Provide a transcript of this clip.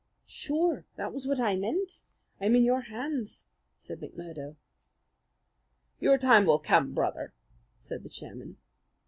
"Sure, that was what I meant; I'm in your hands," said McMurdo. "Your time will come, Brother," said the chairman.